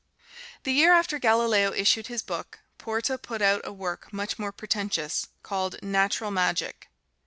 The year after Galileo issued his book, Porta put out a work much more pretentious, called "Natural Magic."